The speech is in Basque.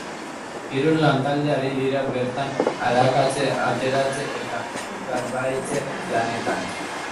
Hiru lantalde ari dira bertan, arakatze, ateratze eta galbahetze lanetan.